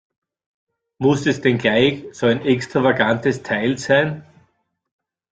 Muss es denn gleich so ein extravagantes Teil sein?